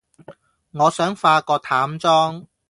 我想化個淡妝